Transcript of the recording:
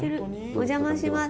お邪魔します。